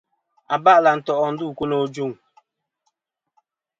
Aba'lɨ à nto' ndu ku no.